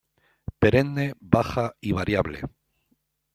Perenne, baja y variable.